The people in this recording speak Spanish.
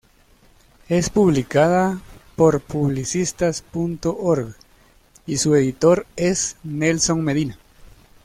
Es publicada por Publicistas.org y su editor es Nelson Medina.